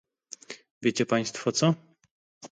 Wiecie Państwo co?